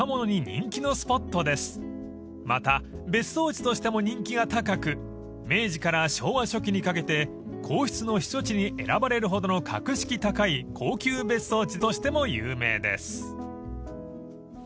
［また別荘地としても人気が高く明治から昭和初期にかけて皇室の避暑地に選ばれるほどの格式高い高級別荘地としても有名です］